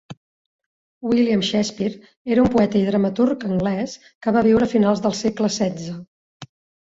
William Shakespeare era un poeta i dramaturg anglès que va viure a finals del segle setze.